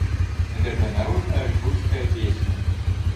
Гэта народная рэкруцкая песня.